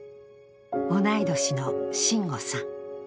同い年の真悟さん。